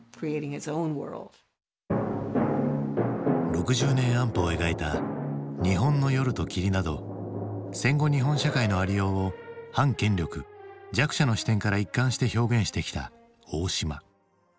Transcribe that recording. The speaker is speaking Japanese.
６０年安保を描いた「日本の夜と霧」など戦後の日本社会のありようを反権力弱者の視点から一貫して表現してきた大島。